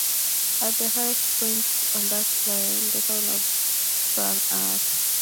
At the highest point on that line, the town of Ellenboro sprang up.